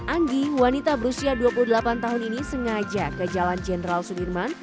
anggi wanita berusia dua puluh delapan tahun ini sengaja ke jalan jenderal sudirman